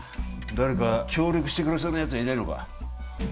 誰か協力してくれそうなやつはいないのか？